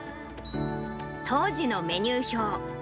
当時のメニュー表。